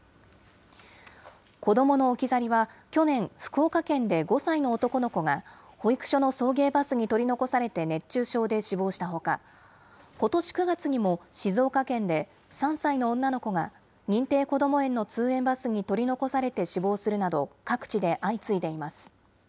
子どもの置き去りは、去年、福岡県で５歳の男の子が、保育所の送迎バスに取り残されて熱中症で死亡したほか、ことし９月にも静岡県で、３歳の女の子が、認定こども園の通園バスに取り残されて死亡するなど、各地で相次いでいます。